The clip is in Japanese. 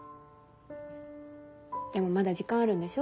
でもまだ時間あるんでしょ？